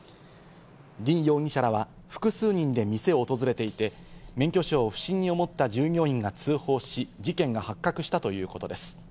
ディン容疑者らは複数人で店を訪れていて、免許証を不審に思った従業員が通報し、事件が発覚したということです。